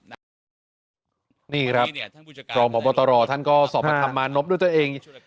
นี่ครับพรหมบบทรท่านก็สอบมาทำมานพด้วยเจ้าเอง